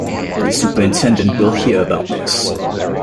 The superintendent will hear about this.